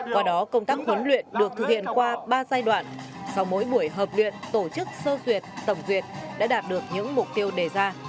qua đó công tác huấn luyện được thực hiện qua ba giai đoạn sau mỗi buổi hợp luyện tổ chức sơ duyệt tổng duyệt đã đạt được những mục tiêu đề ra